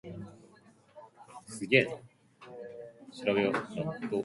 There are five trains each way on Sundays in summer and four in winter.